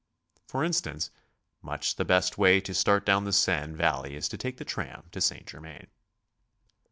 For instance, much the best way to start down the Seine valley is to take the tram to St. Germain.